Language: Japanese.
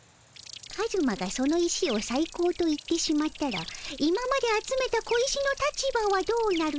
カズマがその石をさい高と言ってしまったら今まで集めた小石の立場はどうなるのじゃ？